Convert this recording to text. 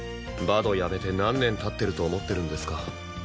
バドやめて何年経ってると思ってるんですか。